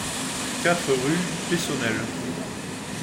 quatre rue Peyssonnel